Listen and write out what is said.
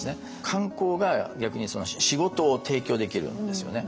観光が逆にその仕事を提供できるんですよね。